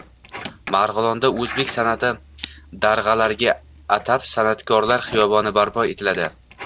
Marg‘ilonda o‘zbek san’ati darg‘alariga atab San’atkorlar xiyoboni barpo etiladi